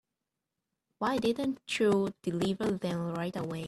Why didn't you deliver them right away?